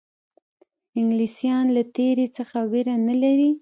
انګلیسیان له تېري څخه وېره نه لري.